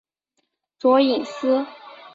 卓颖思。